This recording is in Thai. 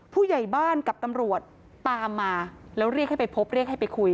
ผู้ใหญ่บ้านกับตำรวจตามมาแล้วเรียกให้ไปพบเรียกให้ไปคุย